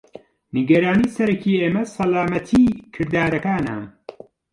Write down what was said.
نیگەرانی سەرەکی ئێمە سەلامەتی کردارەکانە.